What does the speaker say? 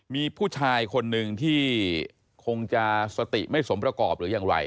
มีผู้ชายคนหนึ่งที่คงจะสติไม่สมประกอบหรือยังไร